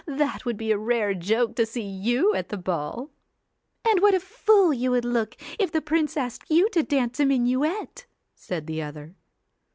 'That would be a rare joke to see you at the ball.' 'And what a fool you would look if the prince asked you to dance a minuet,' said the other.